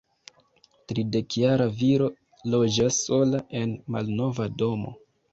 Tridekjara viro loĝas sola, en malnova domo.